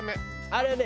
あれはね